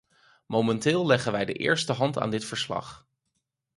Momenteel leggen wij de eerste hand aan dit verslag.